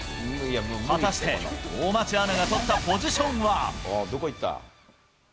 果たして大町アナが取ったポジションは。